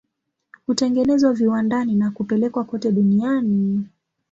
Hutengenezwa viwandani na kupelekwa kote duniani.